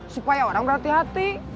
supaya orang berhati hati